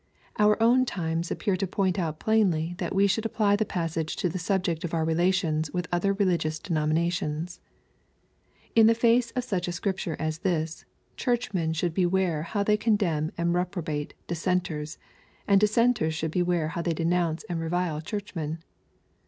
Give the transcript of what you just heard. Our own times appear to point out plainly that we should apply the passage to the subject of our relations with other religious denominations. In the face of such a Scripture as this, Churchmen should beware how they condemn and reprobate Dissenters, and Dissenters should beware how they denounce and revile Churchmen.